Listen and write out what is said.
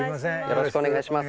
よろしくお願いします